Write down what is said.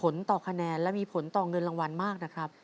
แล้วมีผลต่อเงินรางวัลมากนะครับ